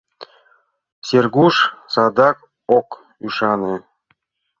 Сергуш садак ок ӱшане.